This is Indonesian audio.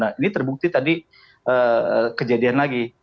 nah ini terbukti tadi kejadian lagi